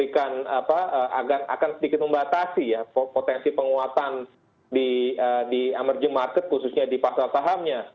khususnya di pasal sahamnya